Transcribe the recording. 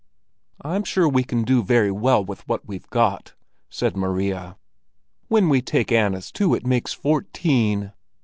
"I'm sure we can do very well with what we've got," said Maria. "When we take Anna's too, it makes fourteen."